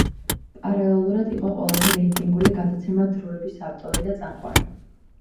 პარალელურად იყო ყველაზე რეიტინგული გადაცემა „დროების“ ავტორი და წამყვანი.